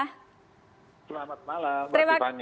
selamat malam pak tiffany